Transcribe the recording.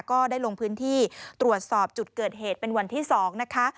ก็ได้ลงพื้นที่ตรวจสอบจุดเกิดเหตุเป็นวันที่๒นะคะ